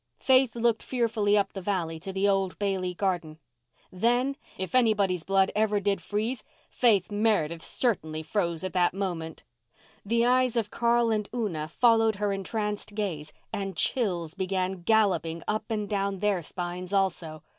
Faith looked fearfully up the valley to the old Bailey garden. Then, if anybody's blood ever did freeze, Faith Meredith's certainly froze at that moment. The eyes of Carl and Una followed her entranced gaze and chills began gallopading up and down their spines also.